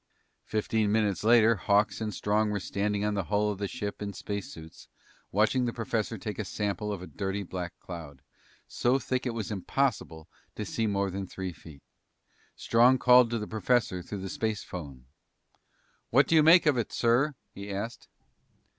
Fifteen minutes later, Hawks and Strong were standing on the hull of the ship in space suits, watching the professor take a sample of a dirty black cloud, so thick it was impossible to see more than three feet. Strong called to the professor through the spacephone. "What do you make of it, sir?" he asked.